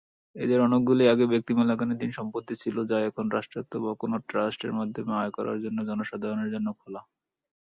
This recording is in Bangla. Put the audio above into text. এদের অনেকগুলোই আগে ব্যক্তিমালিকানাধীন সম্পত্তি ছিলো যা এখন রাষ্ট্রায়ত্ত বা কোনো ট্রাস্ট এর মাধ্যমে আয় করার জন্যে জনসাধারণের জন্যে খোলা।